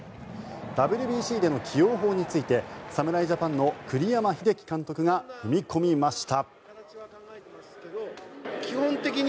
ＷＢＣでの起用法について侍ジャパンの栗山英樹監督が踏み込みました。